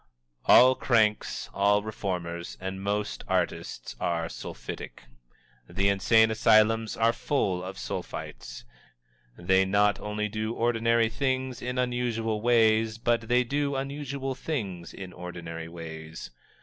All cranks, all reformers, and most artists are sulphitic. The insane asylums are full of Sulphites. They not only do ordinary things in unusual ways, but they do unusual things in ordinary ways.